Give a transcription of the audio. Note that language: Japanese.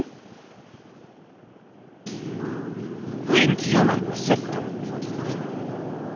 電気釜にセット。